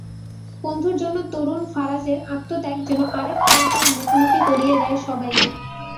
বন্ধুর জন্য তরুণ ফারাজের আত্মত্যাগ যেন আরেক পরিচয়ের মুখোমুখি করিয়ে দেয় সবাইকে।